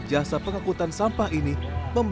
tidak warna tan misteri